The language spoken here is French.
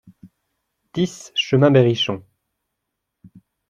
dix chemin Berrichon